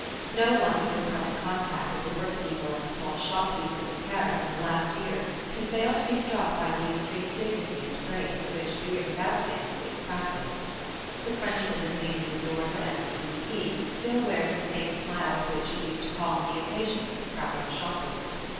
No one who has come in contact with the work people and small shop keepers of Paris in the last year can fail to be struck by the extreme dignity and grace with which doing without things is practised. The Frenchwoman leaning in the door of her empty boutique still wears the smile with which she used to calm the impatience of crowding shoppers.